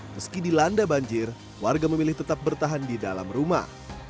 meski dilanda banjir warga memilih tetap bertahan di dalam rumah